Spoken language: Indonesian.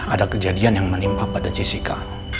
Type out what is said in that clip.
ada kejadian yang menimpa pada jessica